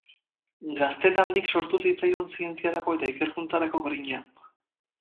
Gaztetandik sortu zitzaion zientziarako eta ikerkuntzarako grina.